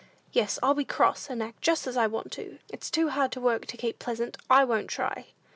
Yes, I'll be cross, and act just as I want to. It's too hard work to keep pleasant; I won't try."